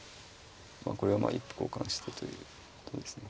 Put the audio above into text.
これはまあ一歩交換してということですね。